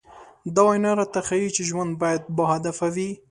دا وينا راته ښيي چې ژوند بايد باهدفه وي.